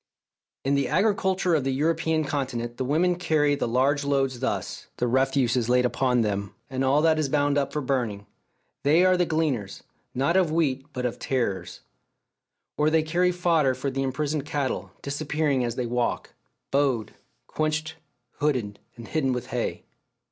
In the agriculture of the European Continent the women carry the large loads thus, the refuse is laid upon them, and all that is bound up for burning; they are the gleaners, not of wheat but of tares. Or they carry fodder for the imprisoned cattle, disappearing as they walk, bowed, quenched, hooded, and hidden with hay.